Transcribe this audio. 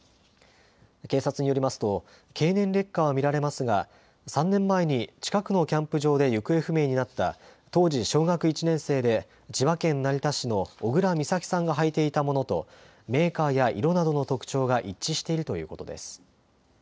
警察によりますと、経年劣化は見られますが、３年前に近くのキャンプ場で行方不明になった当時小学１年生で、千葉県成田市の小倉美咲さんが履いていたものとメーカーや色などの特徴が一致しているということです。